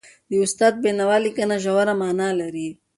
د استاد د بينوا لیکنه ژوره معنا لري.